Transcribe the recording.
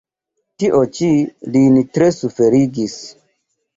Tio ĉi lin tre suferigis.